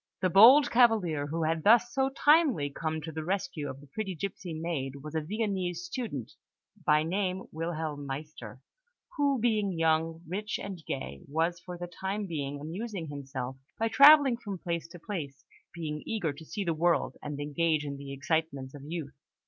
The bold cavalier who had thus so timely come to the rescue of the pretty gipsy maid was a Viennese student, by name Wilhelm Meister, who, being young, rich, and gay, was for the time being amusing himself by travelling from place to place, being eager to see the world and engage in the excitements of youth.